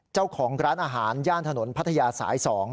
เจ้าของร้านอาหารย่านถนนพัทยาสาย๒